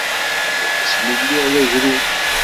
Jeddi yemmut asmi ay lliɣ d agrud.